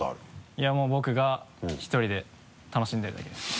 いやもう僕が１人で楽しんでるだけです。